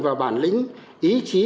vào bản lĩnh ý chí